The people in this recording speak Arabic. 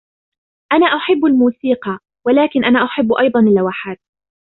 أنا أحب الموسيقي, ولكن أنا أحب أيضاً اللوحات.